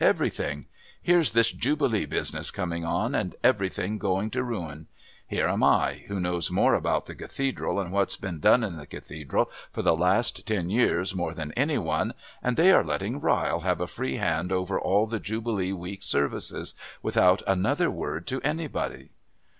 Everything! Here's this Jubilee business coming on and everything going to ruin. Here am I, who know more about the Cathedral and what's been done in the Cathedral for the last ten years than any one, and they are letting Ryle have a free hand over all the Jubilee Week services without another word to anybody."